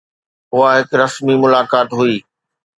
اها هڪ رسمي ملاقات هئي.